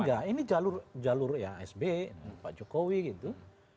enggak ini jalur ya sb pak jokowi gitu